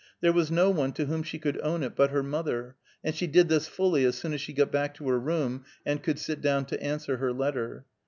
There was no one to whom she could own it but her mother, and she did this fully as soon as she got back to her room, and could sit down to answer her letter.